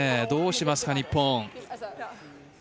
どうしますか、日本。